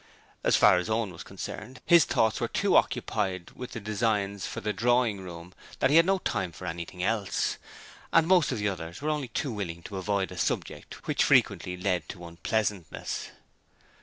As far as Owen was concerned, his thoughts were so occupied with the designs for the drawing room that he had no time for anything else, and most of the others were only too willing to avoid a subject which frequently led to unpleasantness.